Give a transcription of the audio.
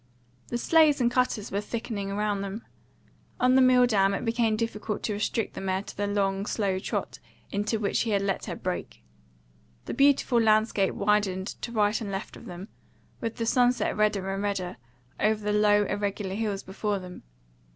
The sleighs and cutters were thickening round them. On the Milldam it became difficult to restrict the mare to the long, slow trot into which he let her break. The beautiful landscape widened to right and left of them, with the sunset redder and redder, over the low, irregular hills before them.